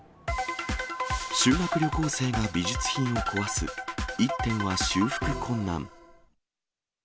修学旅行生が美術品を壊す、１点は修復困難。